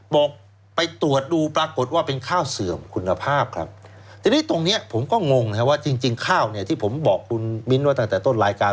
บอกไปตรวจดูปรากฏว่าเป็นข้าวเสื่อมคุณภาพครับทีนี้ตรงเนี้ยผมก็งงนะครับว่าจริงจริงข้าวเนี่ยที่ผมบอกคุณมิ้นไว้ตั้งแต่ต้นรายการ